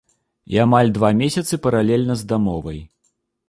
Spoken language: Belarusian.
І амаль два месяцы паралельна з дамовай.